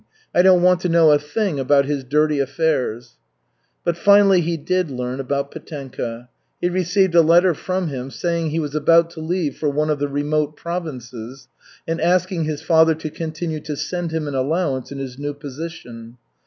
I don't want to know a thing about his dirty affairs." But finally he did learn about Petenka. He received a letter from him saying he was about to leave for one of the remote provinces and asking his father to continue to send him an allowance in his new position.